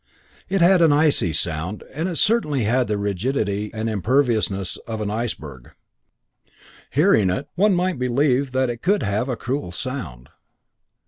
It had an icy sound and it certainly had the rigidity and imperviousness of an iceberg. Hearing it, one might believe that it could have a cruel sound.